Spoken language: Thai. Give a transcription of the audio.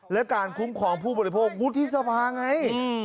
และการคุ้มครองผู้บริโภควุฒิสภาไง